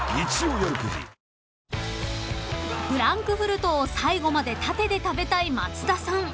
［フランクフルトを最後まで縦で食べたい松田さん］